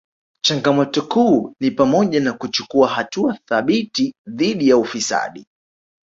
Changamoto kuu ni pamoja na kuchukua hatua thabiti dhidi ya ufisadi